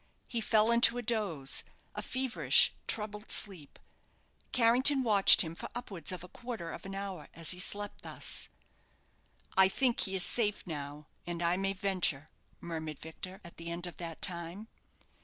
He fell into a doze a feverish, troubled sleep. Carrington watched him for upwards of a quarter of an hour as he slept thus. "I think he is safe now and I may venture," murmured Victor, at the end of that time.